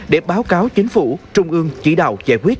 để báo cáo chính phủ trung ương chỉ đạo giải quyết